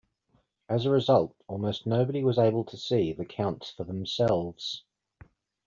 As a result, almost nobody was able to see the counts for themselves.